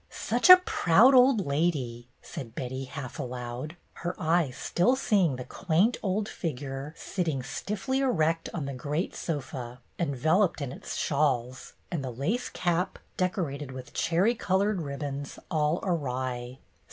"Such a proud old lady!" said Betty, half aloud, her eyes still seeing the quaint old figure sitting stiffly erect on the great sofa, enveloped in its shawls, and the lace cap, decorated with cherry colored ribbons, all awry.